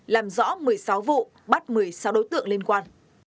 làm rõ một mươi sáu vụ bắt một mươi sáu đối tượng liên quan